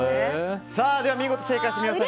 見事正解した皆さん